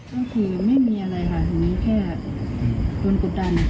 ก็คือไม่มีอะไรค่ะแค่โดนกดดัน